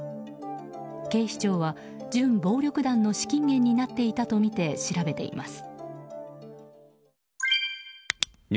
警視庁は準暴力団の資金源になっていたとみて調べています。